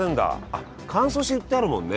あっ乾燥して売ってあるもんね。